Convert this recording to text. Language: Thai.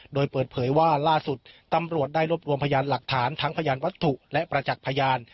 โดยเปิดเผยว่าล่าสุดตำรวจได้รวบรวมพยานหลักฐานทั้งพยานวัตถุและประจักษ์พยาน